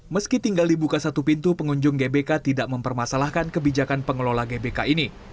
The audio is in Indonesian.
meski tinggal dibuka satu pintu pengunjung gbk tidak mempermasalahkan kebijakan pengelola gbk ini